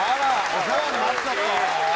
お世話になっちゃった？